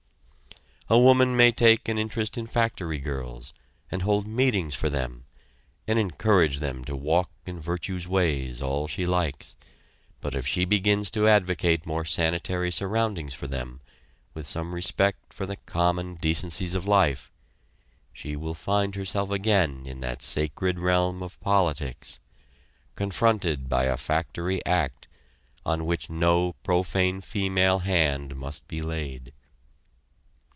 A woman may take an interest in factory girls, and hold meetings for them, and encourage them to walk in virtue's ways all she likes, but if she begins to advocate more sanitary surroundings for them, with some respect for the common decencies of life, she will find herself again in that sacred realm of politics confronted by a factory act, on which no profane female hand must be laid.